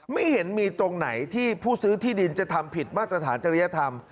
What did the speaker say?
ไม่เห็นมีตรงไหนที่ผู้ซื้อที่ดินจะทำผิดมาตรฐานจริยธรรม